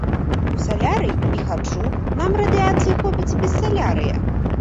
У салярый не хаджу, нам радыяцыі хопіць і без салярыя.